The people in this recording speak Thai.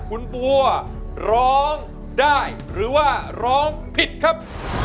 คุณบัวร้องได้หรือว่าร้องผิดครับ